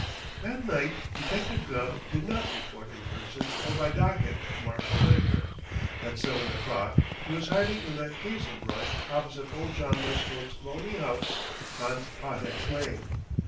That night Detective Gubb did not report in person or by docket to Marshal Wittaker. At seven o'clock he was hiding in the hazel brush opposite old John Westcote's lonely house on Pottex Lane.